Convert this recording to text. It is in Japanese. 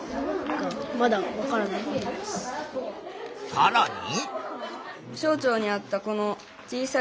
さらに。